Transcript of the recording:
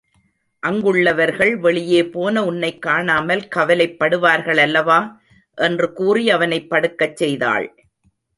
அங்குள்ளவர்கள் வெளியே போன உன்னைக் காணாமல் கவலைப்படுவார்கள் அல்லவா? என்று கூறி அவனைப் படுக்கச் செய்தாள்.